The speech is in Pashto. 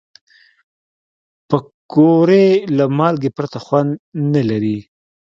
پکورې له مالګې پرته خوند نه لري